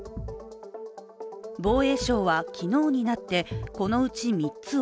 防衛省は昨日になってこのうち３つを